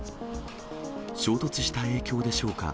衝突した影響でしょうか。